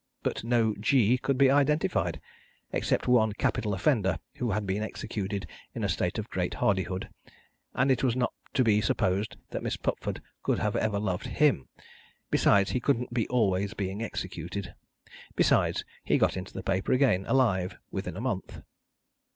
But no G could be identified, except one capital offender who had been executed in a state of great hardihood, and it was not to be supposed that Miss Pupford could ever have loved him. Besides, he couldn't be always being executed. Besides, he got into the paper again, alive, within a month.